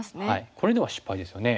これでは失敗ですよね。